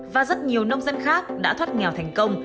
và rất nhiều nông dân khác đã thoát nghèo thành công